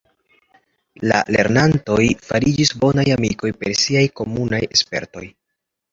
La lernantoj fariĝis bonaj amikoj per siaj komunaj spertoj.